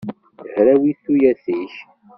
Hrawit tuyat-ik!